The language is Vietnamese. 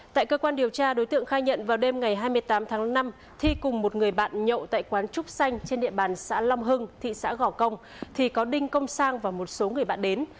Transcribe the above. tại cơ quan điều tra đối tượng khai nhận vào đêm ngày hai mươi tám tháng năm thi cùng một người bạn nhậu tại quán trúc xanh trên địa bàn xã long hưng thị xã gò công thì có đinh công sang và một số người bạn đến